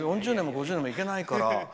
４０年も５０年もいけないから。